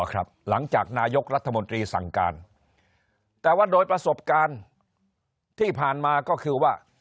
หลังจากนายกรัฐมนตรีสั่งการแต่ว่าโดยประสบการณ์ที่ผ่านมาก็คือว่า